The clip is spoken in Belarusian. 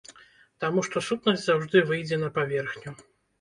Таму што сутнасць заўжды выйдзе на паверхню.